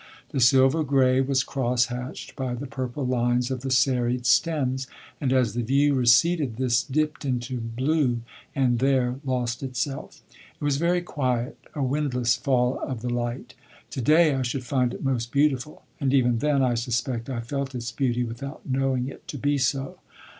The silver grey was cross hatched by the purple lines of the serried stems, and as the view receded this dipped into blue and there lost itself. It was very quiet a windless fall of the light. To day I should find it most beautiful; and even then, I suspect, I felt its beauty without knowing it to be so.